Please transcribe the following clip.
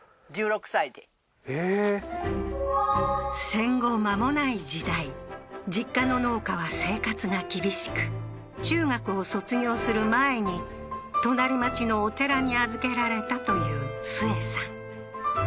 戦後間もない時代実家の農家は生活が厳しく中学を卒業する前に隣町のお寺に預けられたというスエさん